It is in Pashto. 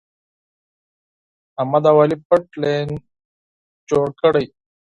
احمد او علي پټ لین جوړ کړی.